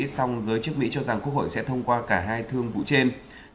song giới chức mỹ cho rằng quốc hội sẽ thông qua cả hai thương vụ trên